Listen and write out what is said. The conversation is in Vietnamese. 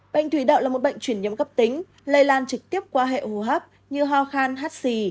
bệnh thủy đậu là một bệnh chuyển nhiễm cấp tính lây lan trực tiếp qua hệ hô hấp như ho khan hát xì